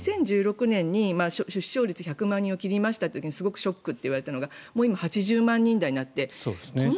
２０１６年に出生数が１００万人を切りましたとショックといわれたのが今、８０万人台になって。